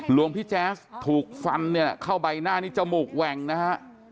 หลวงพี่แจ๊สถูกฟันเนี่ยเข้าใบหน้านี่จมูกแหว่งนะฮะ